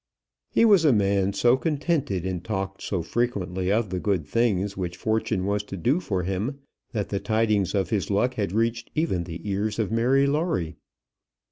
He was a man so contented, and talked so frequently of the good things which Fortune was to do for him, that the tidings of his luck had reached even the ears of Mary Lawrie.